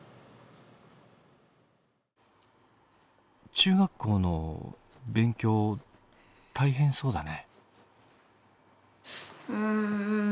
中学校の勉強大変そうだね。